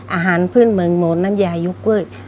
อาหารพื้นเมืองโน้นน้ำยายุกล้วย